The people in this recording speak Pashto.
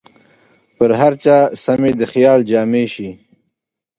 پر هر چا سمې د خیال جامې شي